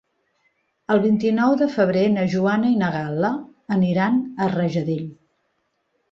El vint-i-nou de febrer na Joana i na Gal·la aniran a Rajadell.